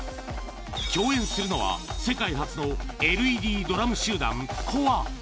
共演するのは、世界初のＬＥＤドラム集団、鼓和ーｃｏｒｅー。